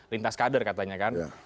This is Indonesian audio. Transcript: lintas kader katanya kan